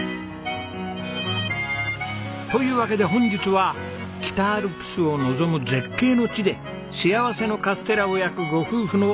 というわけで本日は北アルプスを望む絶景の地で幸せのカステラを焼くご夫婦のお話です。